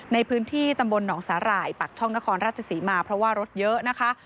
ในพื้นที่ตำบลหนองสาหร่ายปักช่องนครราชศรีมาเพราะว่ารถเยอะนะคะ